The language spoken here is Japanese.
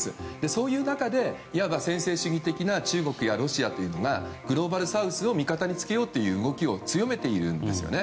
そういう中で、専制主義的な中国やロシアというグローバルサウスを味方につけようという動きを強めているんですね。